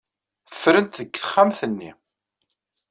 Ffren-t deg texxamt-nni.